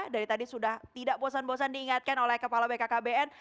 dari tadi sudah tidak bosan bosan diingatkan oleh kepala bkkbn